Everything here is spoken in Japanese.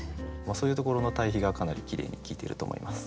そういうところの対比がかなりきれいに効いていると思います。